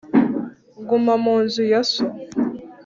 Guma mu nzu ya so